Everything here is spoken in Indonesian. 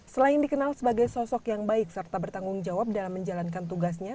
selain dikenal sebagai sosok yang baik serta bertanggung jawab dalam menjalankan tugasnya